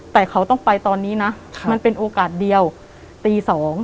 แต่เขาต้องไปตอนนี้นะมันเป็นโอกาสเดียวตี๒